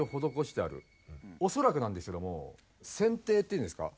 おそらくなんですけども船底っていうんですか？